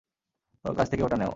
ওর কাছ থেকে ওটা নেও।